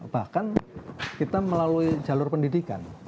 bahkan kita melalui jalur pendidikan